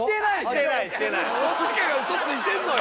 どっちかが嘘ついてんのよ。